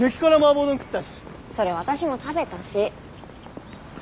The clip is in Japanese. それ私も食べたし。